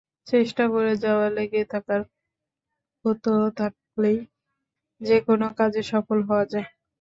চেষ্টা করে যাওয়া, লেগে থাকার প্রত্যয় থাকলেই যেকোনো কাজে সফল হওয়া যায়।